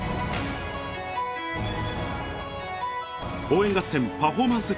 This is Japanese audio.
応援合戦パフォーマンス